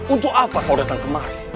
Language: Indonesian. untuk apa kau datang kemari